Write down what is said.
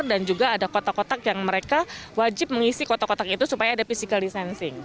dan juga ada kotak kotak yang mereka wajib mengisi kotak kotak itu supaya ada physical distancing